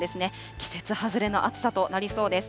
季節外れの暑さとなりそうです。